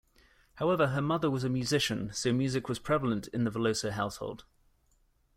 However, her mother was a musician, so music was prevalent in the Veloso household.